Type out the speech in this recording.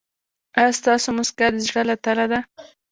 ایا ستاسو مسکا د زړه له تله ده؟